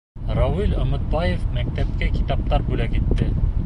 Рауил Өмөтбаев мәктәпкә китаптар бүләк итте.